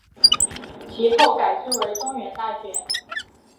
其后改制为中原大学。